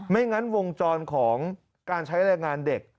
งั้นวงจรของการใช้แรงงานเด็ก